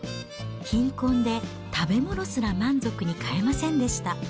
貧困で食べ物すら満足に買えませんでした。